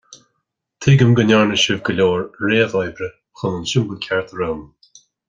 Tuigim go ndearna sibh go leor réamh-oibre chun an siombal ceart a roghnú.